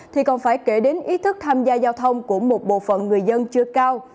thì còn phải kể đến ý thức tham gia giao thông của một bộ phận người dân chưa cao